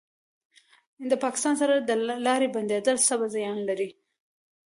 د پاکستان سره د لارې بندیدل څه زیان لري؟